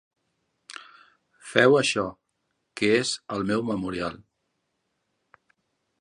Feu això, que és el meu memorial.